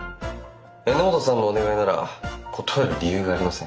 榎本さんのお願いなら断る理由がありません。